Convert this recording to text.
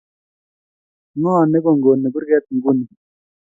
Ng'o ne kong'kong'i kurget nguni?